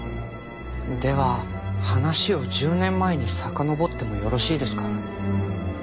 では話を１０年前にさかのぼってもよろしいですか？